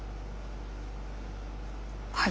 はい。